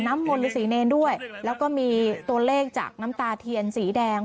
น้ำมลหรือสีเนบด้วยแล้วก็มีตัวเลขจากน้ำตาเทียนสีแดง